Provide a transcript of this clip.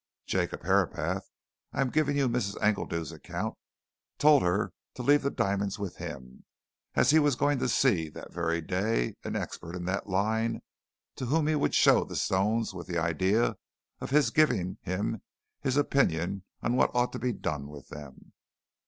Jacob Herapath I am giving you Mrs. Engledew's account told her to leave the diamonds with him, as he was going to see, that very day, an expert in that line, to whom he would show the stones with the idea of his giving him his opinion on what ought to be done with them.